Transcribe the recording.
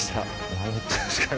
何言ってんですかね・・